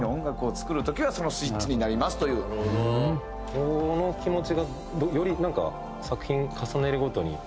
この気持ちがよりなんか作品重ねるごとに。